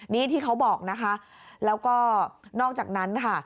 นี่ที่เขาบอกนะคะแล้วก็นอกจากนั้นค่ะ